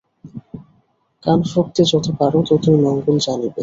কান ফুঁকতে যত পার, ততই মঙ্গল জানিবে।